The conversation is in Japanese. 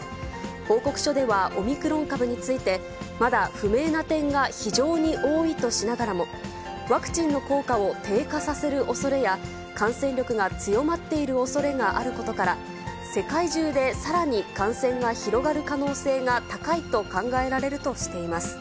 報告書ではオミクロン株について、まだ不明な点が非常に多いとしながらも、ワクチンの効果を低下させるおそれや、感染力が強まっているおそれがあることから、世界中でさらに感染が広がる可能性が高いと考えられるとしています。